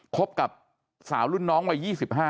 คบกับสาวรุ่นน้องวัย๒๕